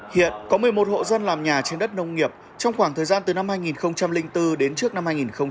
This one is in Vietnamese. hiện có một mươi một hộ dân làm nhà trên đất nông nghiệp trong khoảng thời gian từ năm hai nghìn bốn đến trước năm hai nghìn một mươi